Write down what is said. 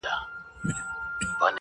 • هغه شپه مي ټوله سندريزه وه.